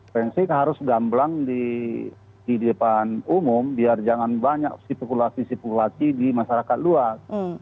prinsip harus gamblang di depan umum biar jangan banyak spekulasi spekulasi di masyarakat luas